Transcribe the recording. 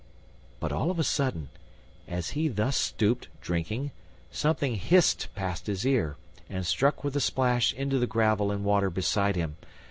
But of a sudden, as he thus stooped, drinking, something hissed past his ear, and struck with a splash into the gravel and water beside him.